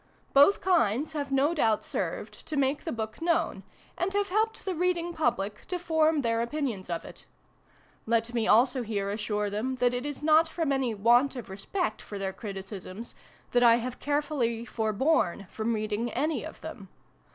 Both kinds have no doubt served to make the book known, and have helped the reading Public to form their opinions of it. Let me also here assure them that it is not from any want of respect for their criticisms, that I x PREFACE. have carefully forborne from reading any of them.